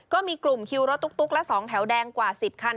ก็มีกลุ่มคิวรถตุ๊กและ๒แถวแดงกว่า๑๐คัน